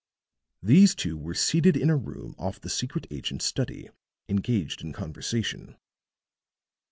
These two were seated in a room off the secret agent's study, engaged in conversation.